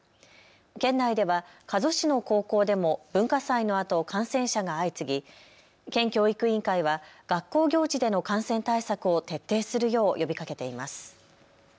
県内では加須市の高校でも文化祭のあと感染者が相次ぎ県教育委員会は学校行事での感染対策を徹底するよう呼びかけています。